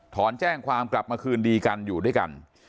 ถอนแจ้งความกลับมาคืนดีกันอยู่ด้วยกัน